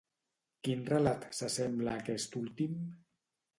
Quin relat s'assembla a aquest últim?